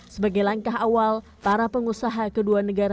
sebagai langkah awal para pengusaha kedua negara ini berkata